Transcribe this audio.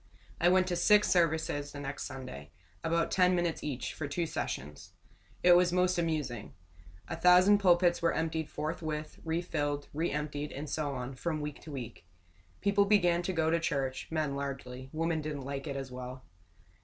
I went to six services the next Sunday about ten minutes each, for two sessions. It was most amusing. A thousand pulpits were emptied forthwith, refilled, re emptied, and so on, from week to week. People began to go to church; men largely women didn't like it as well.